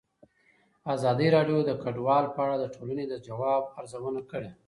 ازادي راډیو د کډوال په اړه د ټولنې د ځواب ارزونه کړې.